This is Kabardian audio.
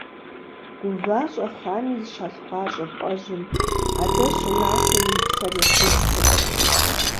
Гува-щӏэхами, зыщалъхуа щӏыпӏэжьым, адэжь щӏыналъэм и псэр ехьыж цӏыхум.